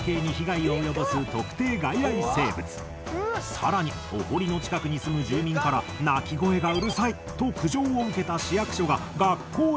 更にお堀の近くに住む住民から「鳴き声がうるさい！」と苦情を受けた市役所が学校へ相談。